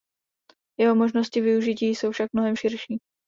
Jeho možnosti využití jsou však mnohem širší.